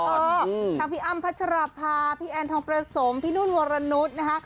เออทั้งพี่อ้ำพัชราภาพี่แอนทองประสมพี่นุ่นวรนุษย์นะคะ